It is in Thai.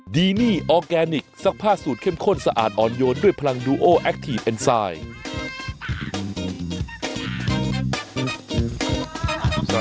ดีนี่ออร์แกนิคซักผ้าสูตรเข้มข้นสะอาดอ่อนโยนด้วยพลังดูโอแอคทีฟเอ็นไซด์